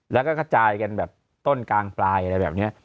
แล้วก็กระจายกันแบบต้นกลางปลายอะไรแบบนี้